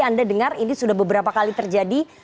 anda dengar ini sudah beberapa kali terjadi